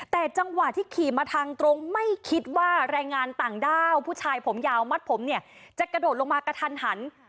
แต่จังหวะที่ขี่มาทางตรงไม่คิดว่าแรงงานต่างด้าวผู้ชายผมยาวมัดผมเนี่ยจะกระโดดลงมากระทันหัน